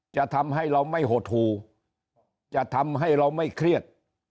จะทำให้เราไม่หดหูจะทำให้เราไม่เครียด